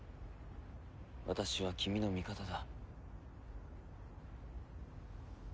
私は君の味方だ。